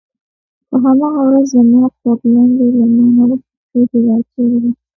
په هماغه ورځ زما خورلنډې له مانه وپوښتل چې دا څوک دی.